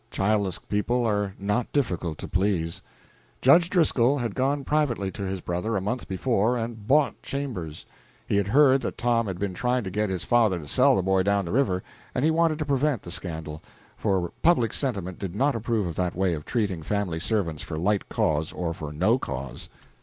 Childless people are not difficult to please. Judge Driscoll had gone privately to his brother, a month before, and bought Chambers. He had heard that Tom had been trying to get his father to sell the boy down the river, and he wanted to prevent the scandal for public sentiment did not approve of that way of treating family servants for light cause or for no cause.